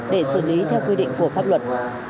để xử lý theo quy định của pháp luật